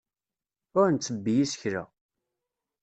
Ur nttebbi isekla.